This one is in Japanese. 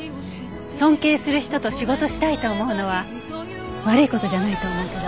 尊敬する人と仕事したいと思うのは悪い事じゃないと思うけど。